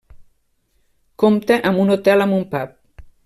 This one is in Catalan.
Compta amb un hotel amb un pub.